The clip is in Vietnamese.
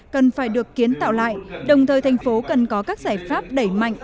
cần phải được kiến tạo lại đồng thời thành phố cần có các giải pháp đẩy mạnh